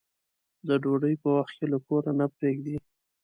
د ډوډۍ په وخت له کوره نه پرېږدي.